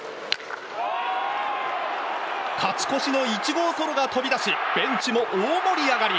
勝ち越しの１号ソロが飛び出しベンチも大盛り上がり。